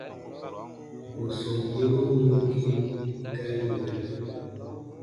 Bù sɔm yerun wirugii gari wɛ̃.